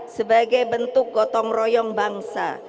sebagai bentuk gotong royong bangsa